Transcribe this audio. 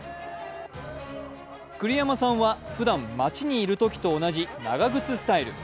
栗山さんは、ふだん街にいるときと同じ長靴スタイル。